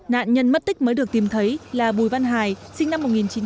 nạn nhân mất tích mới được tìm thấy là bùi văn hải sinh năm một nghìn chín trăm tám mươi